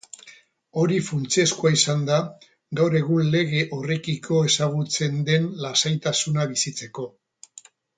Hori funtsezkoa izan da, gaur egun lege horrekiko ezagutzen den lasaitasuna bizitzeko.